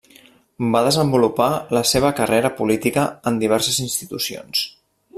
Va desenvolupar la seva carrera política en diverses institucions.